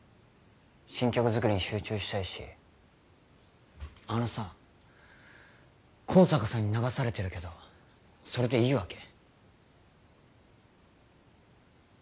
新曲作りに集中したいしあのさ香坂さんに流されてるけどそれでいいわけ？